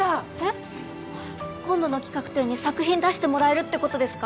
えっ今度の企画展に作品出してもらえるってことですか？